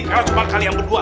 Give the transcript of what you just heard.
kalian cuma kalian berdua